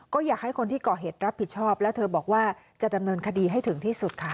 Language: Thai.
ก็อยากให้คนที่ก่อเหตุรับผิดชอบและเธอบอกว่าจะดำเนินคดีให้ถึงที่สุดค่ะ